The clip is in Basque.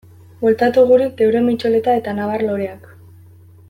Bueltatu guri geure mitxoleta eta nabar-loreak?